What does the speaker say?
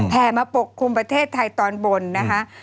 มาปกคลุมประเทศไทยตอนบนนะคะ